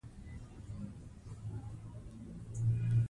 اداري اصلاحات باید یوازې عملي بڼه ولري